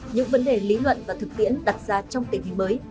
những vấn đề lý luận và thực tiễn đặt ra trong tình hình mới